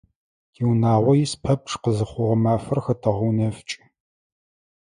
Тиунагъо ис пэпчъ къызыхъугъэ мафэр хэтэгъэунэфыкӀы.